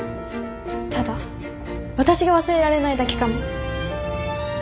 ただ私が忘れられないだけかも。